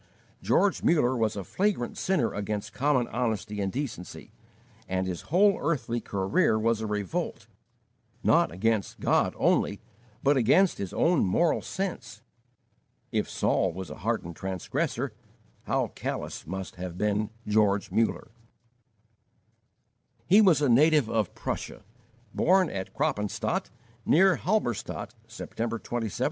George Muller was a flagrant sinner against common honesty and decency, and his whole early career was a revolt, not against God only, but against his own moral sense. If Saul was a hardened transgressor, how callous must have been George Muller! He was a native of Prussia, born at Kroppenstaedt, near Halberstadt, September 27, 1805.